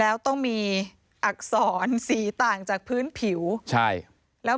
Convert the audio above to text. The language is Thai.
เด็กเข้าใจใจคงทน